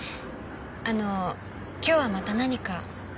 あの今日はまた何か？